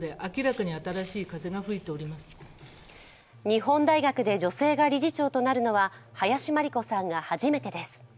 日本大学で女性が理事長となるのは林真理子さんが初めてです。